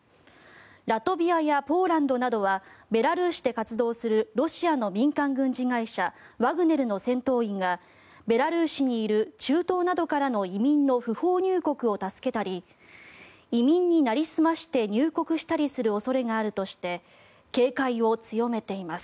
ラトビアやポーランドなどはベラルーシで活動するロシアの民間軍事会社ワグネルの戦闘員がベラルーシにいる中東などからの移民の不法入国を助けたり移民になりすまして入国したりする恐れがあるとして警戒を強めています。